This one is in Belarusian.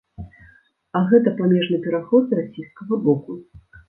А гэта памежны пераход з расійскага боку.